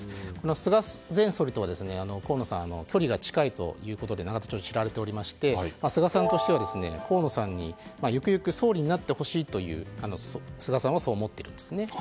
菅前総理とは河野さんは距離が近いことで永田町で知られておりまして菅さんとしては河野さんにゆくゆく総理になってほしいと菅さんはそう思っているんですね。